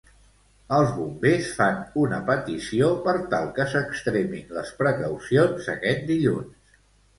Els Bombers fan una petició per tal que s'extremin les precaucions aquest dilluns.